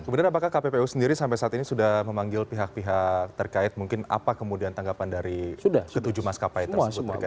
kemudian apakah kppu sendiri sampai saat ini sudah memanggil pihak pihak terkait mungkin apa kemudian tanggapan dari ketujuh maskapai tersebut